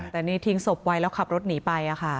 แต่นี่ทิ้งศพไว้แล้วขับรถหนีไป